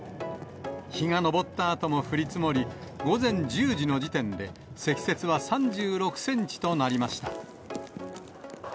日が昇ったあとも降り積もり、午前１０時の時点で、積雪は３６センチとなりました。